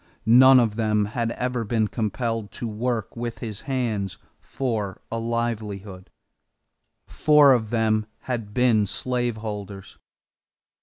None of them had ever been compelled to work with his hands for a livelihood. Four of them had been slaveholders.